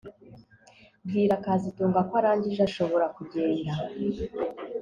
Bwira kazitunga ko arangije ashobora kugenda